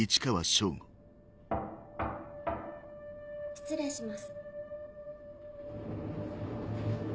・失礼します